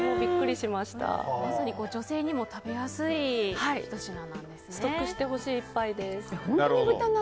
まさに女性にも食べやすいストックしてほしい一杯です。